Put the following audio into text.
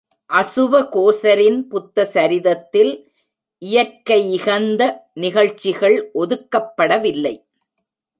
அசுவகோசரின் புத்தசரிதத்தில் இயற்கையிகந்த நிகழ்ச்சிகள் ஒதுக்கப்படவில்லை.